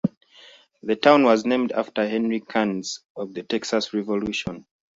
The town was named after Henry Karnes of the Texas Revolution.